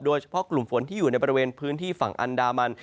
โดยเฉพาะกลุ่มฝนที่อยู่ในบริเวณพื้นที่ฝั่งอันดามัน